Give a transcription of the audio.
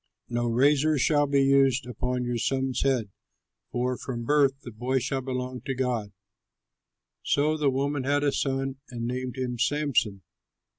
No razor shall be used upon your son's head, for from birth the boy shall belong to God." So the woman had a son and named him Samson.